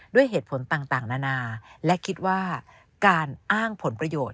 ด้วยเหตุผลต่างนานาและคิดว่าการอ้างผลประโยชน์